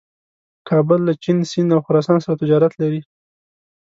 کابل له چین، سیند او خراسان سره تجارت لري.